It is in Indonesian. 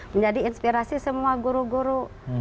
menjadi inspirasi semua guru guru